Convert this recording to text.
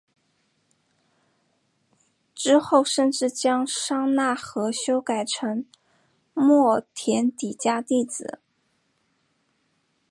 之后甚至将商那和修改成是末田底迦弟子。